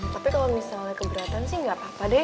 tapi kalau misalnya keberatan sih nggak apa apa deh